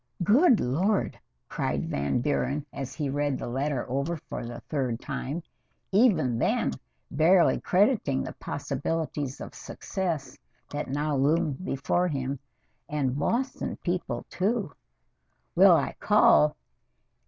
"Good Lord!" cried Van Buren as he read the letter over for the third time, even then barely crediting the possibilities of success that now loomed before him. "And Boston people, too! Will I call!